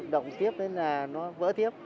động tiếp là nó vỡ tiếp